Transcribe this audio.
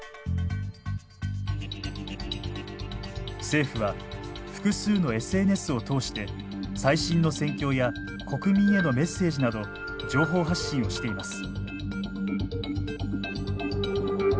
政府は複数のＳＮＳを通して最新の戦況や国民へのメッセージなど情報発信をしています。